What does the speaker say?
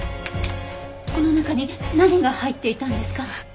この中に何が入っていたんですか？